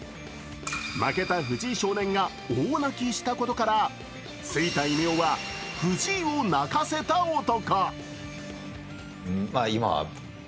負けた藤井少年が大泣きしたことからついた異名は、藤井を泣かせた男。